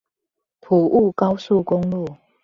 埔霧高速公路